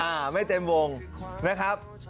ไม่เต็มวงนะครับ